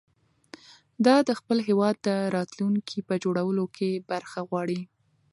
ده د خپل هېواد د راتلونکي په جوړولو کې برخه غواړي.